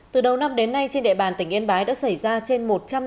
từ đầu năm đến nay trên địa bàn tỉnh yên bái đã xảy ra trên một trăm năm mươi